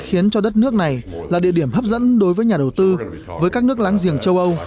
khiến cho đất nước này là địa điểm hấp dẫn đối với nhà đầu tư với các nước láng giềng châu âu